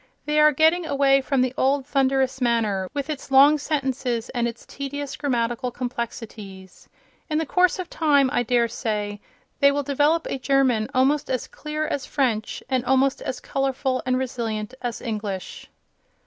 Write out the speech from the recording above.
They are getting away from the old thunderous manner, with its long sentences and its tedious grammatical complexities. In the course of time, I daresay, they will develop a German almost as clear as French and almost as colourful and resilient as English.